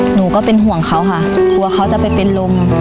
หนูก็เป็นห่วงเขาค่ะกลัวเขาจะไปเป็นลม